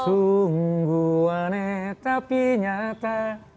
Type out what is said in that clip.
sungguh aneh tapi nyata